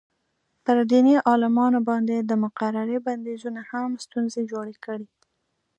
پر دیني عالمانو باندې د مقررې بندیزونو هم ستونزې جوړې کړې.